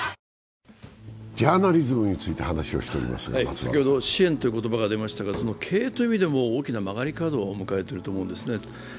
先ほど支援という言葉が出ましたが、経営という意味でも大きな曲がり角を迎えていると思うんですね。